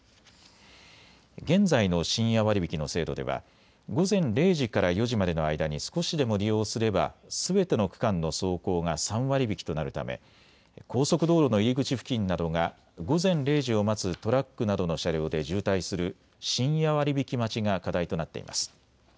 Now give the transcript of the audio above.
現在の深夜割引の制度では午前０時から４時までの間に少しでも利用すればすべての区間の走行が３割引きとなるため高速道路の入り口付近などが午前０時を待つトラックなどの車両で渋滞する深夜割引待ちが課題となっています。